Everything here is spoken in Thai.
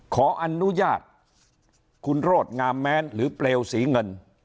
ขออนุญาตคุณโรธงามแม้นหรือเปลวสีเงิน